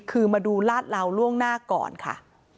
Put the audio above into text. คือมาดูลาดเหลาล่วงหน้าก่อนค่ะ